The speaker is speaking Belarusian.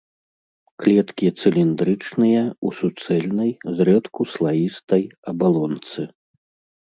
Клеткі цыліндрычныя, у суцэльнай, зрэдку слаістай абалонцы.